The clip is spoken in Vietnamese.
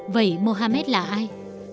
vậy muhammad là ai